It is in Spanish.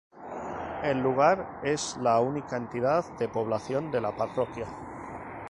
El lugar es la única entidad de población de la parroquia.